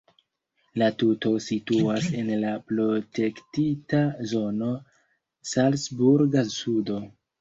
La tuto situas en la protektita zono "Salcburga sudo".